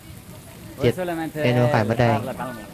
เจ็ด เมนูไข่มดแดง